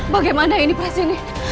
bagaimana ini prasini